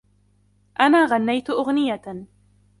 أنا غنيتُ أغنيةً.